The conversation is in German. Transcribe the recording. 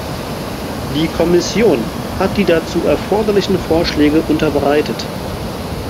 Die Kommission hat die dazu erforderlichen Vorschläge unterbreitet.